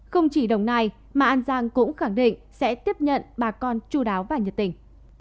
không chỉ đồng nai mà an giang cũng khẳng định sẽ tiếp nhận bà con chú đáo và nhiệt tình